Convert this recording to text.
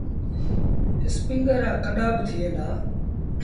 اسپيٚنگر رآ ڪڏآ با ٿئيٚݩ دآ۔